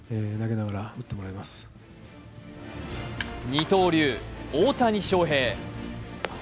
二刀流・大谷翔平。